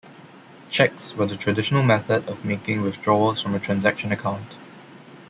Cheques were the traditional method of making withdrawals from a transaction account.